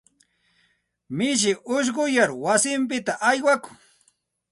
Mishi ushquyar wasinpita aywakun.